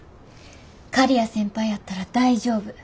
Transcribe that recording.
刈谷先輩やったら大丈夫。